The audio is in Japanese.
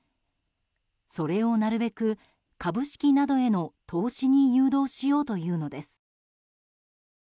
それを、なるべく株式などへの投資に誘導しようというのです。